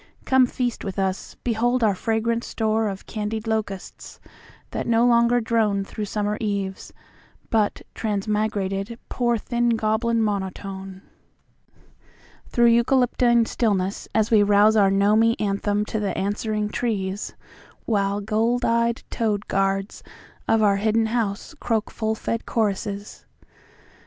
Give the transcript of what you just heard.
Come feast with us; behold our fragrant storeOf candied locusts, that no longer droneThrough summer eves, but transmigrated, pourThin goblin monotoneThrough eucalyptine stillness as we rouseOur gnomy anthem to the answering trees, While gold eyed toad guards of our hidden houseCroak full fed choruses.